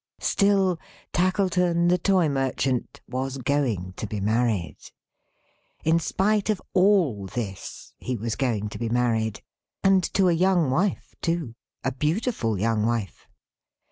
Still, Tackleton, the Toy merchant, was going to be married. In spite of all this, he was going to be married. And to a young wife too; a beautiful young wife.